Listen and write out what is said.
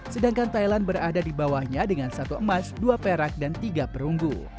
sedangkan thailand berada di bawahnya dengan satu emas dua perak dan tiga perunggu